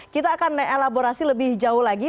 kita akan elaborasi lebih jauh lagi